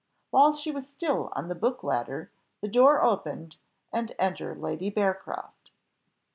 While she was still on the book ladder, the door opened, and enter Lady Bearcroft.